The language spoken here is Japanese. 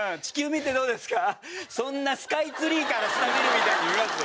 そんなスカイツリーから下見るみたいに見ます？